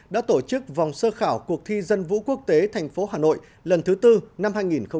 đã tổ chức vòng sơ khảo cuộc thi dân vũ quốc tế thành phố hà nội lần thứ tư năm hai nghìn hai mươi